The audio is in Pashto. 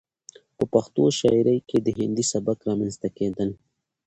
،په پښتو شاعرۍ کې د هندي سبک رامنځته کېدل